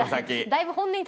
だいぶ。